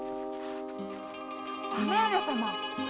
義姉上様！